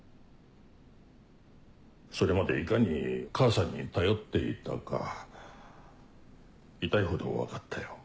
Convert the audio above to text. それまでいかに母さんに頼っていたか痛いほど分かったよ。